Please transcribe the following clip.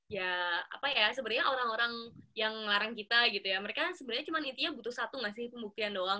ya apa ya sebenarnya orang orang yang ngelarang kita gitu ya mereka sebenarnya cuma intinya butuh satu nggak sih pembuktian doang